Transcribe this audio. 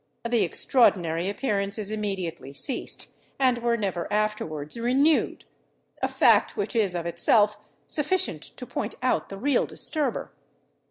The extraordinary appearances immediately ceased, and were never afterwards renewed; a fact which is of itself sufficient to point out the real disturber.